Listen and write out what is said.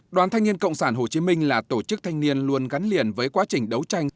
đoàn thanh niên cộng sản hồ chí minh là tổ chức thanh niên luôn gắn liền với quá trình đấu tranh